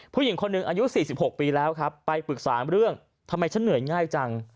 ผู้หญิงคนหนึ่งอายุ๔๖ปีแล้วครับไปปรึกษาเรื่องทำไมฉันเหนื่อยง่ายจัง